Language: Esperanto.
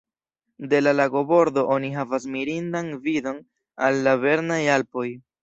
De la lagobordo oni havas mirindan vidon al la Bernaj Alpoj.